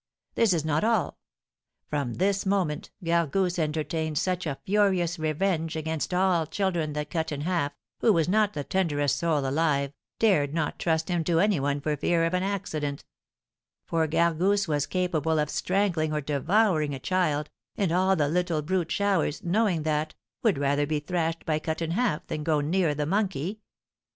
This is not all. From this moment Gargousse entertained such a furious revenge against all children that Cut in Half, who was not the tenderest soul alive, dared not trust him to any one for fear of an accident; for Gargousse was capable of strangling or devouring a child, and all the little brute showers, knowing that, would rather be thrashed by Cut in Half than go near the monkey."